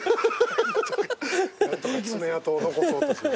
何とか爪痕を残そうとする。